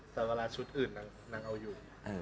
แต่เวลาชุดอื่นนางเอาอยู่